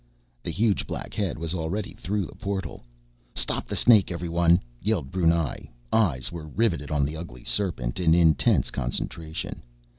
The huge black head was already through a portal. "Stop the snake, everyone!" yelled Brunei. Eyes were riveted on the ugly serpent, in intense concentration.